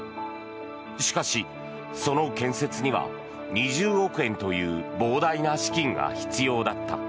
しかし、その建設には２０億円という膨大な資金が必要だった。